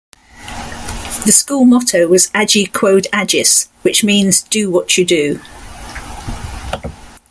The school motto was "Age Quod Agis", which means "do what you do".